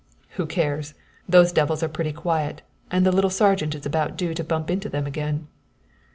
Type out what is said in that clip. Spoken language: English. "Who cares? Those devils are pretty quiet, and the little sergeant is about due to bump into them again."